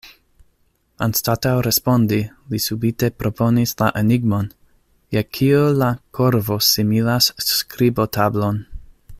Anstataŭ respondi, li subite proponis la enigmon: "Je kio la korvo similas skribotablon?"